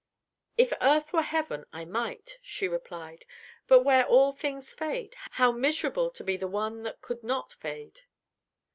"If earth were heaven, I might," she replied. "But where all things fade, how miserable to be the one that could not fade!"